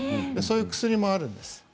そういう薬もあるんです。